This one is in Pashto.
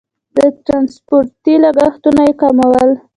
د ټرانسپورتي لګښتونه یې کمول.